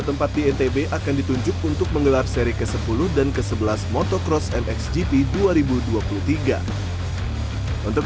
tempat di ntb akan ditunjuk untuk menggelar seri ke sepuluh dan ke sebelas motocross mxgp dua ribu dua puluh tiga untuk